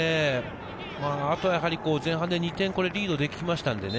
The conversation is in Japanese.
前半で２点リードできましたんでね。